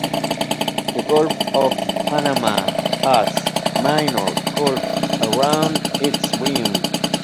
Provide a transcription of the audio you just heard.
The Gulf of Panama has minor gulfs around its rim.